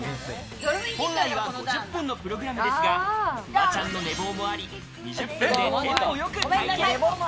本来は５０分のプログラムですが、フワちゃんの寝坊もあり、２０分でテンポよく体験。